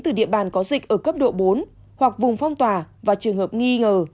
từ địa bàn có dịch ở cấp độ bốn hoặc vùng phong tỏa và trường hợp nghi ngờ